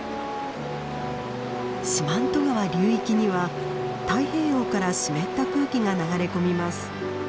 四万十川流域には太平洋から湿った空気が流れ込みます。